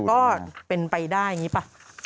แต่ก็เป็นไปได้นี้ป่ะ